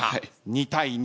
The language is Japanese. ２対２。